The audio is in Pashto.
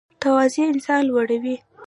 تواضع انسان لوړوي